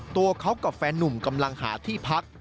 ตัวเขากับแฟนนุ่มกำลังหาที่พัก